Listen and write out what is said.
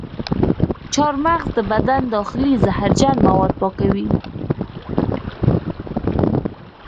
چارمغز د بدن داخلي زهرجن مواد پاکوي.